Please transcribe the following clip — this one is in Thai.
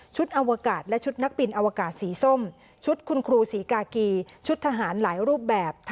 อวกาศและชุดนักบินอวกาศสีส้มชุดคุณครูศรีกากีชุดทหารหลายรูปแบบ